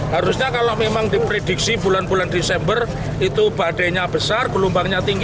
harusnya kalau memang diprediksi bulan bulan desember itu badainya besar gelombangnya tinggi